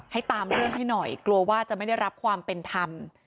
ให้ตามเรื่องให้หน่อยกลัวว่าจะไม่ได้รับความเป็นธรรม